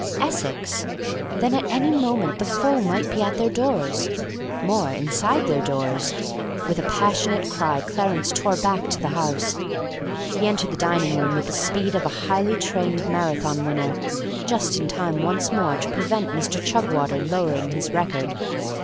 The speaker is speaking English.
Essex! Then at any moment the foe might be at their doors; more, inside their doors. With a passionate cry, Clarence tore back to the house. He entered the dining room with the speed of a highly trained Marathon winner, just in time once more to prevent Mr. Chugwater lowering his record.